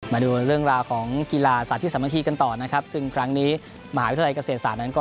มาดูเรื่องราวของกีฬาศาสตรีศาสมชีกันต่อซึ่งครั้งนี้มหาวิทยาลัยเกษตรศาสตร์